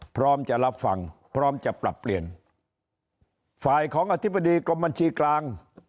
พร้อมจะรับฟังพร้อมจะปรับเปลี่ยนฝ่ายของอธิบดีกรมบัญชีกลาง